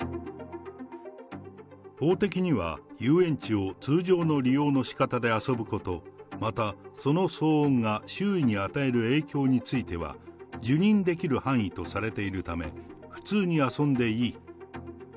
法的には遊園地を通常の利用のしかたで遊ぶこと、またその騒音が周囲に与える影響については、受忍できる範囲とされているため、普通に遊んでいい。